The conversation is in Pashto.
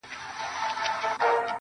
خير دی، زه داسي یم، چي داسي نه وم.